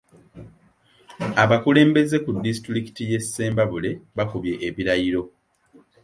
Abakulembeze ku disitulikiti y’e Ssembabule bakubye ebirayiro.